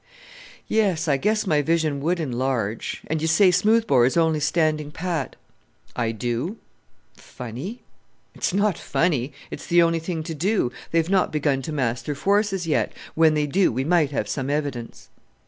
"Yes, I guess my vision would enlarge; and you say Smoothbore is only standing pat?" "I do." "Funny!" "It's not funny: it's the only thing to do; they have not begun to mass their forces yet. When they do we might have some evidence."